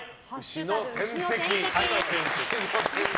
「＃牛の天敵」。